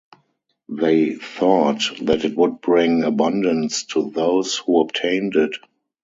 They thought that it would bring abundance to those who obtained it.